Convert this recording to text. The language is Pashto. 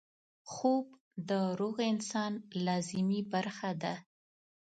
خوب د روغ انسان لازمي برخه ده